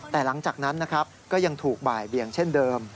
แต่หลังจากนั้นนะครับก็ยังถูกบ่ายเบียงเช่นเดิม